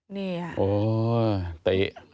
นี่อ่ะ